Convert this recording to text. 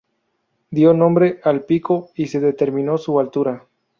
Dio nombre al pico y se determinó su altura.